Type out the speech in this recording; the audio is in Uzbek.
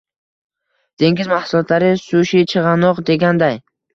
dengiz mahsulotlari, sushi, chig‘anoq deganday...